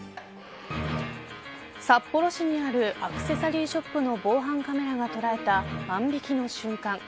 札幌市にあるアクセサリーショップの防犯カメラが捉えた万引きの瞬間。